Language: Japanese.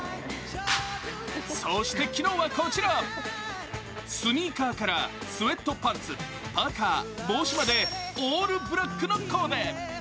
そして昨日はこちら、スニーカーからスエットパンツ、パーカー、帽子までオールブラックのコーデ。